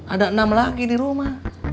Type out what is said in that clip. ada enam lagi di rumah